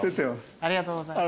ありがとうございます。